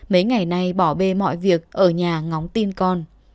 mấy ngày nay bỏ bê mọi việc ở nhà ngóng tin con